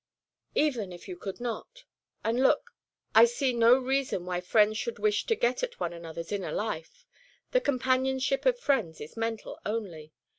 "Even you could not. And look I see no reason why friends should wish to get at one another's inner life. The companionship of friends is mental only.